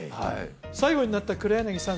最後になった黒柳さん